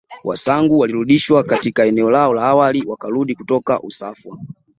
Wasangu walirudishwa katika eneo lao la awali wakarudi kutoka Usafwa